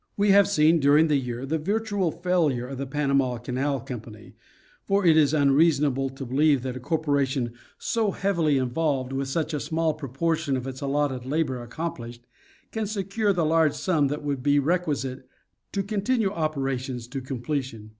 We have seen during the year the virtual failure of the Panama Canal company ; for it is unreasonable to believe that a corporation so heavily involved with such a small proportion of its allotted labor accomplished, can secure the large sum that would be Geography of the Land. 37 requisite to continue operations to completion.